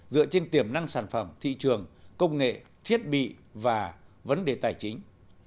dựa trên tiềm năng sản phẩm thị trường công nghệ thiết bị và vấn đề tài chính